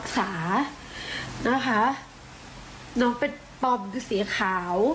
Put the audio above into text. เออน้อง๗๘ปีแล้วนะคะ